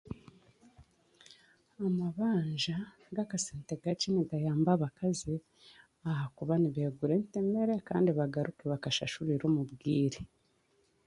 Amabanja g'akasente kakye nikayamba abakazi ahakuba nikeegura entemere kandi bakashashurire omu bwaire